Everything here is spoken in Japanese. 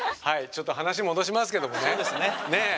はいちょっと話戻しますけどもね。